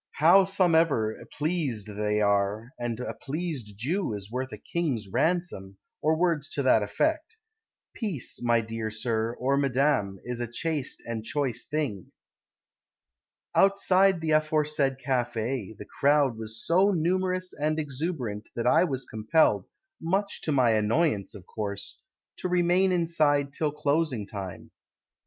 Howsomever, Pleased they are, And a pleased Jew Is worth a king's ransom, Or words to that effect. Peace, my dear Sir, or Madam, Is a chaste and choice Thing. Outside the aforesaid cafe, The crowd Was so numerous And exuberant That I was compelled (Much to my annoyance, of course) To remain inside Till closing time.